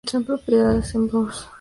Son predadores emboscados.